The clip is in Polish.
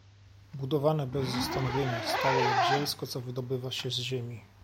"Budowane bez zastanowienia, stały jak zielsko, co wydobywa się z ziemi."